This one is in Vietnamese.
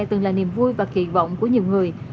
từng là niềm vui và kỳ vọng của nhiều người